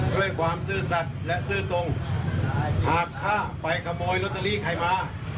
ด้วยความซื่อสัตว์และซื่อตรงหากข้าไปขโมยลอตเตอรี่ใครมา